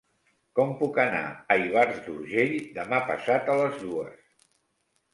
Com puc anar a Ivars d'Urgell demà passat a les dues?